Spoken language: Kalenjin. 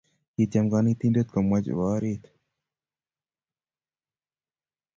kitiem kanetindet komwa chebo oriit